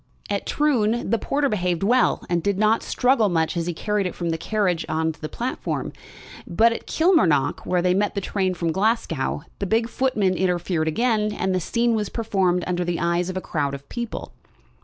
At Troon the porter behaved well, and did not struggle much as he carried it from the carriage on to the platform. But at Kilmarnock, where they met the train from Glasgow, the big footman interfered again, and the scene was performed under the eyes of a crowd of people.